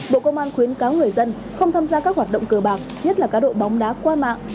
bộ công an khuyến cáo người dân không tham gia các hoạt động cờ bạc nhất là cá độ bóng đá qua mạng